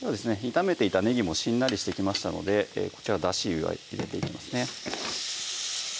炒めていたねぎもしんなりしてきましたのでこちらだし入れていきますね